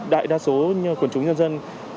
đại đa số quần chúng dân dân